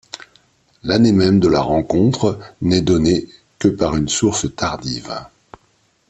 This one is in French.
L'année même de la rencontre n'est donnée que par une source tardive.